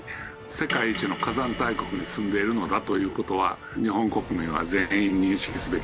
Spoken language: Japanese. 世界一の火山大国に住んでいるのだという事は日本国民は全員認識すべきだというふうに私は思います。